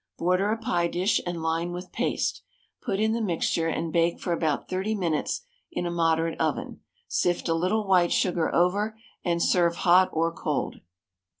Border a pie dish and line with paste; put in the mixture, and bake for about 30 minutes in a moderate oven. Sift a little white sugar over, and serve hot or cold.